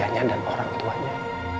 tanpa nyadar orang tuanya